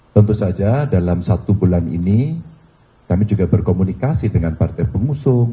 tentu saja dalam satu bulan ini kami juga berkomunikasi dengan partai pengusung